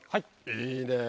いいね！